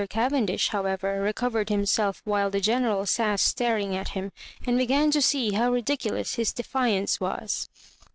Cavendish, however, recovered himself while the General sat staring at him, and began to see how ridiculous his defiance was.